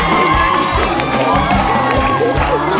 เวตสุภาพ